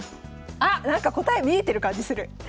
あっなんか答え見えてる感じする！